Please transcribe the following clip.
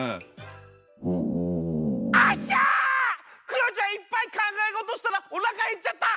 クヨちゃんいっぱいかんがえごとしたらおなかへっちゃった！